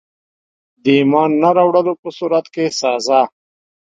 د ایمان نه راوړلو په صورت کي سزا.